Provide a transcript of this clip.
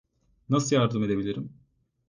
Nasıl yardım edebilirim?